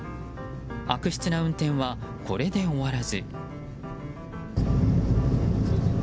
悪質な運転は、これで終わらず。